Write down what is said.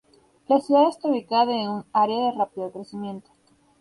La ciudad está ubicada en un área de rápido crecimiento.